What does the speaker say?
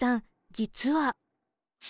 実は。